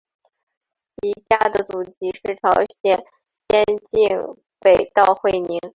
其家的祖籍是朝鲜咸镜北道会宁。